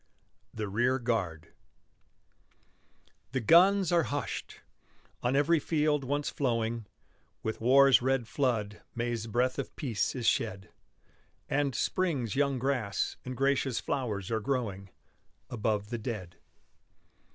THE REAR GUARD The guns are hushed. On every field once flowing With war's red flood May's breath of peace is shed, And, spring's young grass and gracious flowers are growing Above the dead.